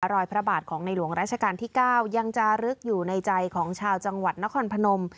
พระบาทของในหลวงราชการที่๙ยังจะลึกอยู่ในใจของชาวจังหวัดนครพนม